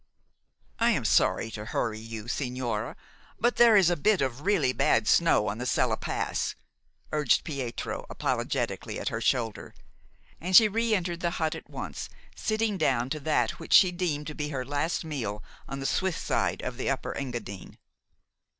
"I am sorry to hurry you, sigñora, but there is a bit of really bad snow on the Sella Pass," urged Pietro apologetically at her shoulder, and she reëntered the hut at once, sitting down to that which she deemed to be her last meal on the Swiss side of the Upper Engadine.